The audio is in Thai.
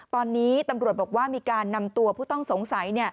ตอนนี้ตำรวจบอกว่ามีการนำตัวผู้ต้องสงสัย